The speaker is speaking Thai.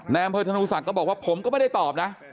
อำเภอธนูศักดิ์ก็บอกว่าผมก็ไม่ได้ตอบนะ